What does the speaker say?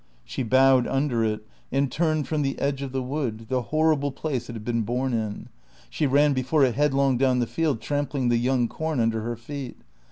She bowed under it, and turned from the edge of the wood, the horrible place it had been born in; she ran before it headlong down the field, trampling the young corn under her feet.